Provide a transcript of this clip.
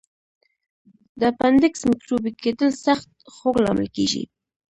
د اپنډکس میکروبي کېدل سخت خوږ لامل کېږي.